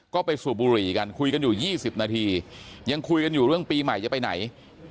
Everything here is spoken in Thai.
ก็ไปสูบบุหรี่กันคุยกันอยู่๒๐นาทียังคุยกันอยู่เรื่องปีใหม่จะไปไหน